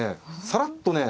さらっとね